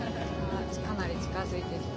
かなり近づいてきてる。